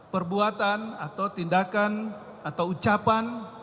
perbuatan atau tindakan atau ucapan